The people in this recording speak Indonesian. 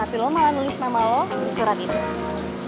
tapi lo malah nulis nama lo di surat itu